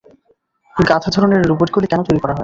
গাধা ধরনের এই রোবটগুলি কেন তৈরি করা হয়?